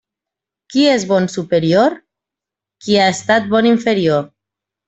Qui és bon superior? Qui ha estat bon inferior.